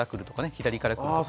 左から来るとか。